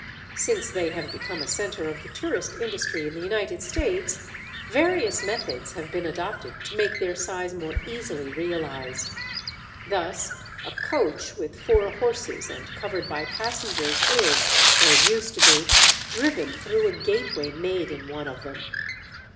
Since they have become a centre of the tourist industry in the United States, various methods have been adopted to make their size more easily realized. Thus a coach with four horses and covered by passengers is (or used to be) driven through a gateway made in one of them.